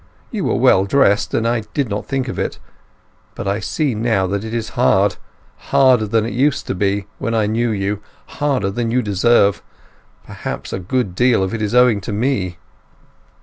You were well dressed, and I did not think of it. But I see now that it is hard—harder than it used to be when I—knew you—harder than you deserve. Perhaps a good deal of it is owning to me!"